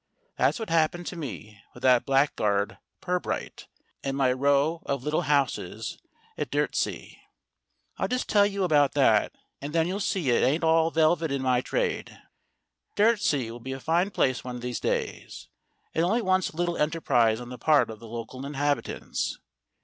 That's what happened to me with that blackguard Pirbright and my row of little houses at Dyrtisea. I'll just tell you about that, and then you'll see it ain't all velvet in my trade. Dyrtisea will be a fine place one of these days. It only wants a little enterprise on the part of the local inhabitants.